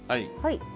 はい。